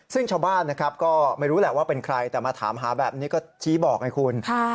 ซึ่งชาวบ้านนะครับก็ไม่รู้แหละว่าเป็นใครแต่มาถามหาแบบนี้ก็ชี้บอกไงคุณ